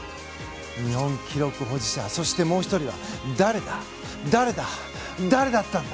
日本記録保持者そしてもう１人は誰だ、誰だ、誰だったんだ。